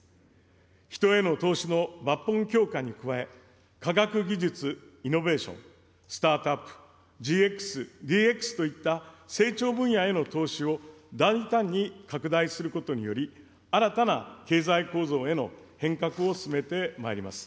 人への投資の抜本強化に加え、科学技術・イノベーション、スタートアップ、ＧＸ、ＤＸといった、成長分野への投資を大胆に拡大することにより、新たな経済構造への変革を進めてまいります。